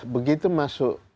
begitu masuk normal